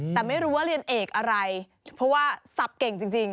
แต่ไม่รู้ว่าเรียนเอกอะไรเพราะว่าสับเก่งจริง